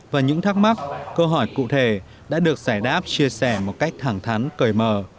và những thắc mắc câu hỏi cụ thể đã được giải đáp chia sẻ một cách thẳng thắn cởi mở